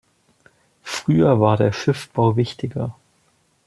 Früher war der Schiffbau wichtiger.